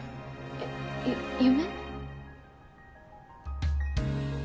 えっゆ夢？